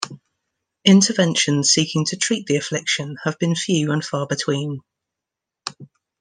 Interventions seeking to treat the affliction have been few and far between.